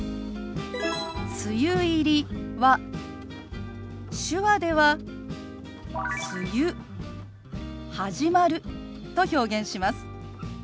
「梅雨入り」は手話では「梅雨始まる」と表現します。